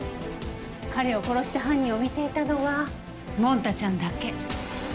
彼を殺した犯人を見ていたのはモンタちゃんだけ。